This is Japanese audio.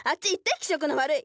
気色の悪い！